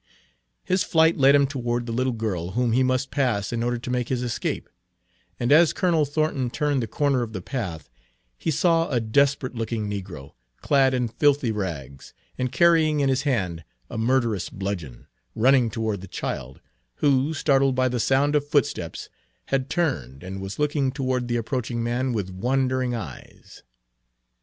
His flight led him toward the little girl, whom he must pass in order to make his escape, and as Colonel Thornton turned the corner of the path he saw a desperate looking negro, clad in filthy rags, and carrying in his hand a murderous bludgeon, running toward the child, who, startled by the sound of footsteps, had turned and was looking toward the approaching man with wondering eyes.